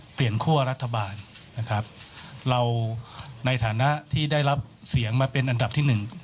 คั่วรัฐบาลนะครับเราในฐานะที่ได้รับเสียงมาเป็นอันดับที่หนึ่ง